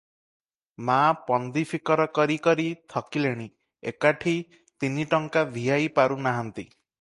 ମା' ପନ୍ଦି ଫିକର କରି କରି ଥକିଲେଣି ଏକାଠି ତିନି ଟଙ୍କା ଭିଆଇ ପାରୁନାହାନ୍ତି ।